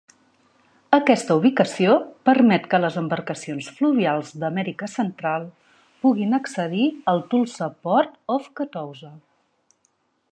Aquesta ubicació permet que les embarcacions fluvials d'Amèrica Central puguin accedir al Tulsa Port of Catoosa.